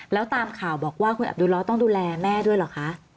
แล้วตามข่าวบอกว่าคุณอับดุล้อต้องดูแลแม่ด้วยเหรอคะ